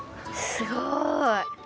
すごい。